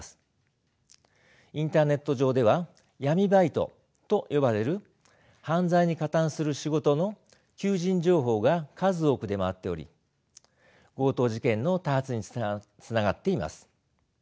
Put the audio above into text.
インターネット上では闇バイトと呼ばれる犯罪に加担する仕事の求人情報が数多く出回っており強盗事件の多発につながっています。